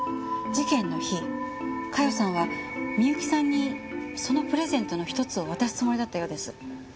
事件の日加代さんは美由紀さんにそのプレゼントの１つを渡すつもりだったようです。